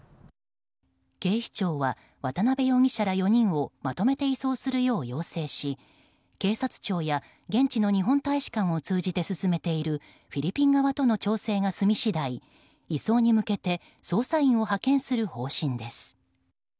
警視庁は渡辺容疑者ら４人をまとめて移送するよう要請し警察庁や現地の日本大使館を通じて進めているフィリピン側との調整が済み次第移送に向けて捜査員を派遣する方針です。